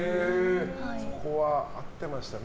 そこは合ってましたね